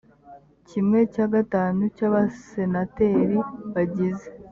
kimwe cya gatanu cy abasenateri bagize